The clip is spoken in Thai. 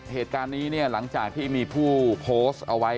เหตุการณ์นี้เนี่ยหลังจากที่มีผู้โพสต์เอาไว้